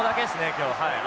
今日はい。